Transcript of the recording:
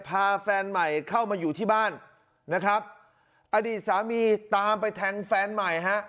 พาแฟนใหม่เข้ามาอยู่ที่บ้านนะครับอดีตสามีตามไปแทงแฟนใหม่ฮะ